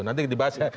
nanti dibahas itu